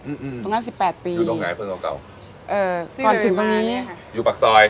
อืมตรงนั้นสิบแปดปีอยู่ตรงไหนเพื่อนเก่าเอ่อก่อนถึงตรงนี้อยู่ปากซอย